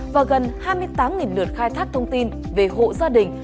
và gần hai mươi tám lượt khai thác thông tin về hộ gia đình